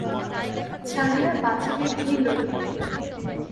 ছাড়িয়া বাচিবে কী লইয়া?